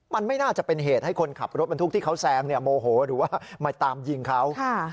มันไม่น่าจะเป็นเหตุให้คนขับรถบรรทุกที่เขาแซงเนี่ยโมโหหรือว่ามาตามยิงเขา